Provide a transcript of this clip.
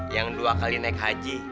yang dua kali naik haji